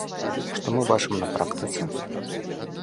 Што мы бачым на практыцы?